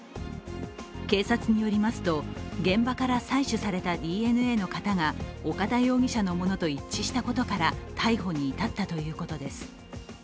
警察によりますと、現場から採取されたＤＮＡの型が岡田容疑者のものと一致したことから逮捕にいたったということです。